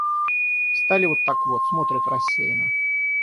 Стали вот так вот — смотрят рассеянно.